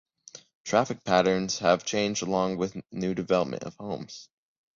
Traffic patterns have changed along with new development of homes.